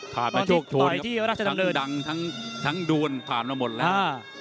ถ่ายไปโชคโทนทั้งดวนผ่านมาหมดแล้ว